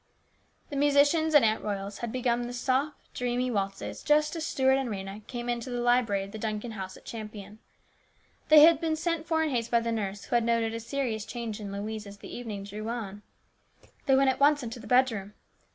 The musicians at Aunt Royal's had begun the soft, dreamy waltzes just as Stuart and Rhena came into the library of the Duncan house at Champion. They had been sent for in haste by the nurse, who had noted a serious change in Louise as the evening drew on. They went at once into the bedroom.